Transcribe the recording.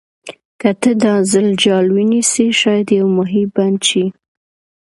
که ته دا ځل جال ونیسې شاید یو ماهي بند شي.